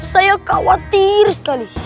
saya khawatir sekali